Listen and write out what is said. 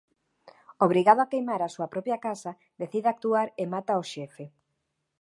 Obrigado a queimar a súa propia casa decide actuar e mata ó xefe.